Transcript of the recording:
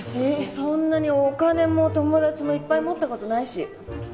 そんなにお金も友達もいっぱい持った事ないし。